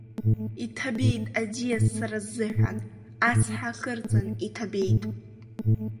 Иҭабеит аӡиас сара сзыҳәан, ацҳа хырҵан иҭабеит…